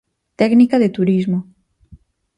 Técnica de turismo.